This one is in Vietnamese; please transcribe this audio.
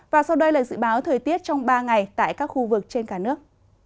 và sau đây là dự báo thời tiết trong ba ngày tại các khu vực trên cả nước